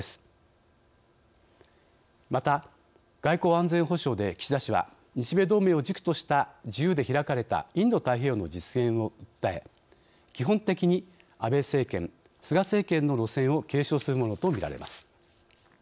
また外交・安全保障で岸田氏は日米同盟を軸とした自由で開かれたインド太平洋の実現を訴え基本的に安倍政権・菅政権の路線を継承するものとみられます。